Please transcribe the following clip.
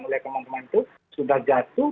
oleh teman teman itu sudah jatuh